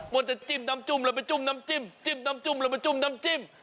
ว่าจะจิ้มน้ำจุ้มแล้วไปจุ้มน้ำจิ้มจิ้มน้ำจุ้มแล้วไปจุ้มน้ำจิ้ม